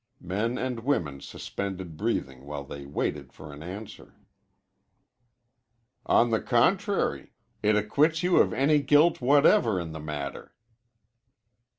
Men and women suspended breathing while they waited for an answer. "On the contrary, it acquits you of any guilt whatever in the matter."